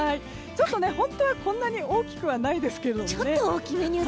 本当はこんなに大きくはないですけどね。